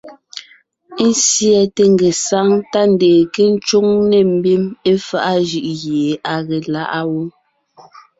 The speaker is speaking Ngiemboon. Ésiɛte ngesáŋ tá ndeen nke ńcwóŋ nê mbim éfaʼa jʉʼ gie à ge láʼa wó.